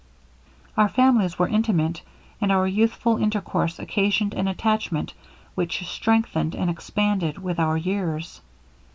Our families were intimate, and our youthful intercourse occasioned an attachment which strengthened and expanded with our years.